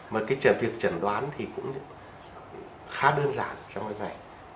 mà cái việc trần đoán thì cũng khá đơn giản trong cái này